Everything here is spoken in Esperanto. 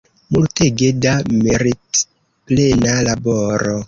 Multege da meritplena laboro!